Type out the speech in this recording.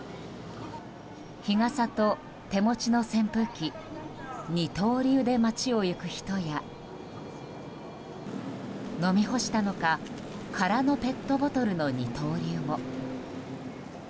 日傘と手持ちの扇風機二刀流で街を行く人や飲み干したのか空のペットボトルの二刀流も。